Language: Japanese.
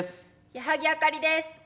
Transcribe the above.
矢作あかりです。